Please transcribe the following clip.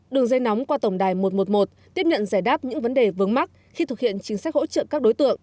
đường dây nóng qua tổng đài một trăm một mươi một tiếp nhận giải đáp những vấn đề vướng mắt khi thực hiện chính sách hỗ trợ các đối tượng